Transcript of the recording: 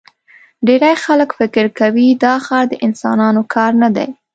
ډېری خلک فکر کوي دا ښار د انسانانو کار نه دی.